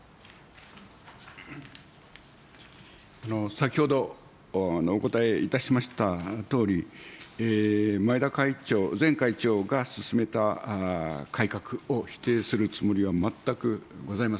先ほどお答えいたしましたとおり、前田会長、前会長が進めた改革を否定するつもりは全くございません。